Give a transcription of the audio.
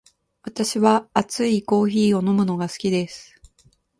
私は熱いコーヒーを飲むのが好きです。